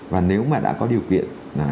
và nếu mà đã có điều kiện nếu mà đã có điều kiện